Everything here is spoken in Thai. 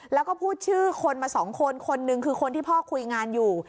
แล้วก็พูดชื่อคนมาสองคนคนหนึ่งคือคนที่พ่อคุยงานอยู่